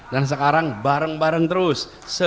dan sekarang bareng bareng terus